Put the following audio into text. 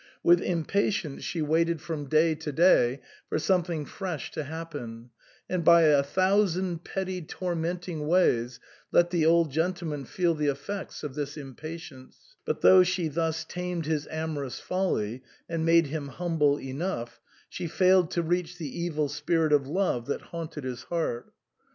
With impa SIGNOR FORMICA. 131 tience she waited from day to day for something fresh to happen, and by a thousand petty tormenting ways let the old gentleman feel the effects of this impatience ; but though she thus tamed his amorous folly and made him humble enough, she failed to reach the evil spirit of love that haunted his heart.